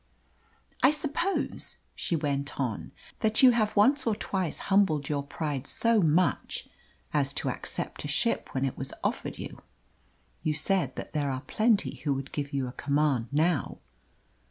"I suppose," she went on, "that you have once or twice humbled your pride so much as to accept a ship when it was offered you. You said that there are plenty who would give you a command now.